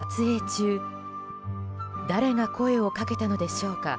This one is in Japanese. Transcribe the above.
撮影中誰が声をかけたのでしょうか。